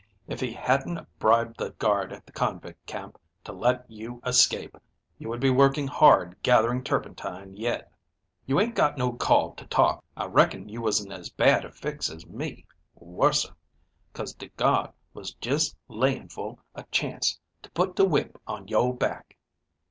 If he hadn't bribed the guard at the convict camp to let you escape, you would be working hard gathering turpentine yet." "You ain't got no call to talk. I reckon you was in as bad a fix as me. Worser, 'cause de guard was just layin' foah a chance to put de whip on youah back."